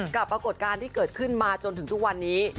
ปรากฏการณ์ที่เกิดขึ้นมาจนถึงทุกวันนี้